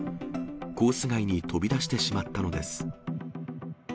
コース外に飛び出してしまったのです。